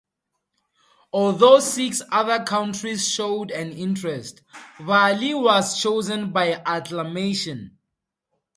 Although six other countries showed an interest, Bali was chosen by acclamation.